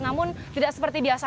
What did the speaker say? namun tidak seperti biasanya